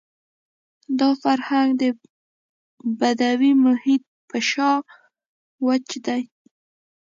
دا فرهنګ د بدوي محیط په شان وچ دی.